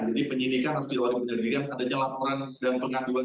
jadi penyidikan harus diulangi penyelidikan adanya laporan dan pengaduan